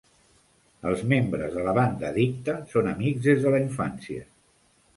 El membres de la banda Dikta són amics des de la infància.